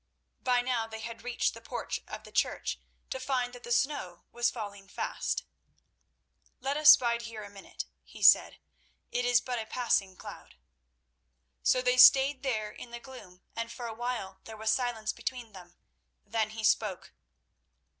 By now they had reached the porch of the church, to find that the snow was falling fast. "Let us bide here a minute," he said; "it is but a passing cloud." So they stayed there in the gloom, and for a while there was silence between them. Then he spoke.